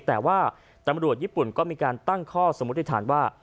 แต่ว่าตำรวจญี่ปุ่นก็มีการตั้งข้อสมมุติฐานว่า